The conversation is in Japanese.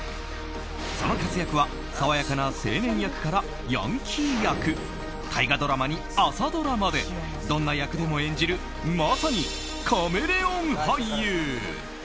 その活躍は爽やかな青年役からヤンキー役大河ドラマに朝ドラまでどんな役でも演じるまさにカメレオン俳優。